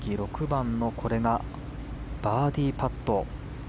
６番のバーディーパット。